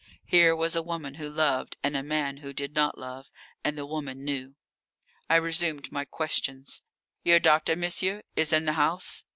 Here was a woman who loved and a man who did not love, and the woman knew. I resumed my questions: "Your doctor, monsieur, is in the house?"